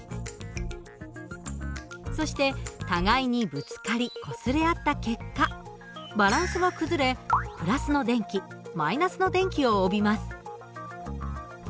そして互いにぶつかりこすれ合った結果バランスが崩れ＋の電気−の電気を帯びます。